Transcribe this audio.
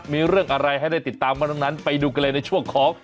มีเรื่องอะไรให้ได้ติดตามมาทั้งนั้นไปดูกันเลยในช่วงของ